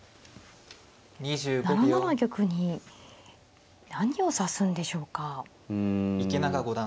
７七玉に何を指すんでしょうか。